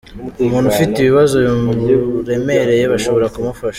umuntu ufite ibibazo bimuremereye bashobora kumufasha